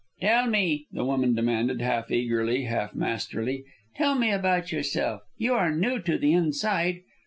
"Tell me," the woman demanded, half eagerly, half masterly, "tell me about yourself. You are new to the Inside.